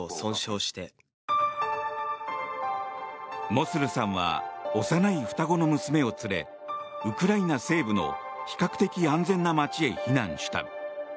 モスルさんは幼い双子の娘を連れウクライナ西部の比較的安全な街へ避難した。